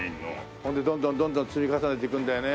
ほんでどんどんどんどん積み重ねていくんだよね。